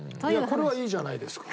これはいいじゃないですか。